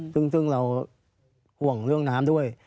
ซึ่งเราห่วงเรื่องน้ำด้วย